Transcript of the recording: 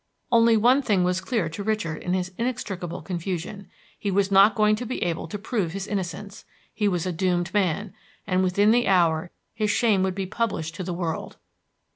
Only one thing was clear to Richard in his inextricable confusion, he was not going to be able to prove his innocence; he was a doomed man, and within the hour his shame would be published to the world.